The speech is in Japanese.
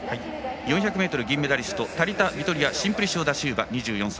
４００ｍ銀メダリストタリタビトリア・シンプリシオダシウバ、２４歳。